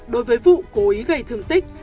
đối với vụ cố ý gây thương tích